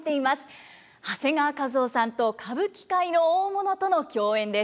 長谷川一夫さんと歌舞伎界の大物との競演です。